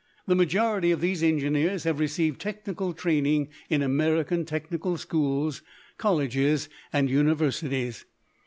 The majority of these engineers have received technical training in American technical schools, colleges, and universities.